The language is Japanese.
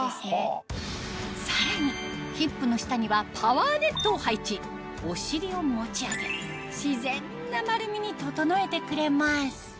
さらにヒップの下にはパワーネットを配置お尻を持ち上げ自然な丸みに整えてくれます